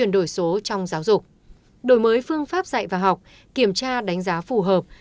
đổi số trong giáo dục đổi mới phương pháp dạy và học kiểm tra đánh giá phù hợp